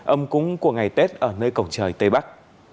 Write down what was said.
âm cúng của ngày tết ở nơi cầu trời tây bắc